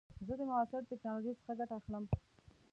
زه د معاصر ټکنالوژۍ څخه ګټه اخلم.